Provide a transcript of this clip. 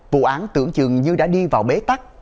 vụ án tưởng chừng như đã đi vào bế tắc